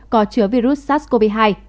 có chứa virus sars cov hai